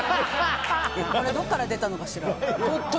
これどこから出たのかしら。